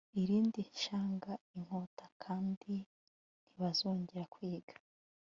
irindi shyanga inkota kandi ntibazongera kwiga